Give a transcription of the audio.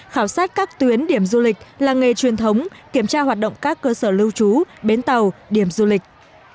khảo sát các tuyến điểm du lịch làng nghề truyền thống kiểm tra hoạt động các cơ sở lưu trú bến tàu điểm du lịch